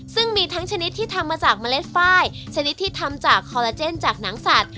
ซึ่งมีทั้งชนิดที่ทำมาจากเมล็ดฝ้ายชนิดที่ทำจากคอลลาเจนจากหนังสัตว